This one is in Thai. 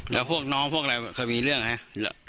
แล้วพวกน้องพวกอะไรเคยมีเรื่องไหม